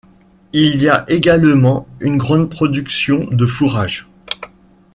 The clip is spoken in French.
Il y a également une grande production de fourrage.